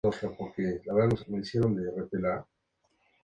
El caparazón tiene manchas marrones y la parte ventral de la concha es amarilla.